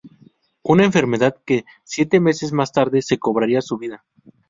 Una enfermedad que siete meses más tarde se cobraría su vida.